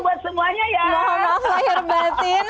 mohon maaf lahir batin